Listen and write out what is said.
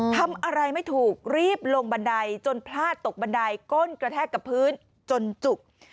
ทำอะไรไม่ถูกรีบลงบันไดจนพลาดตกบันไดก้นกระแทกกับพื้นจนจุก